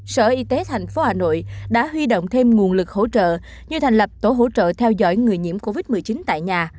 sở y tế tp hà nội đã huy động thêm nguồn lực hỗ trợ như thành lập tổ hỗ trợ theo dõi người nhiễm covid một mươi chín tại nhà